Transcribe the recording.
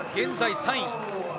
現在３位。